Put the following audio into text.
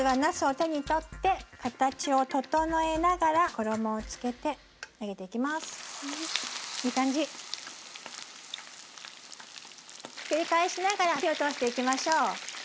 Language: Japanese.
ひっくり返しながら火を通していきましょう。